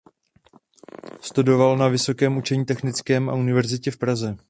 Studoval na Vysokém učení technickém a univerzitě v Praze.